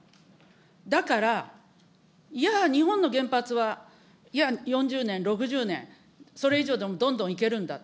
だから、いやー、日本の原発は、いや、４０年、６０年、それ以上でもどんどんいけるんだ。